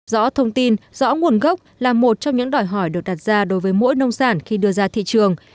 rõ thông tin rõ nguồn gốc là một trong những đòi hỏi được đặt ra đối với mỗi nông sản khi đưa ra thị trường